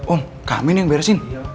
om kami nih yang beresin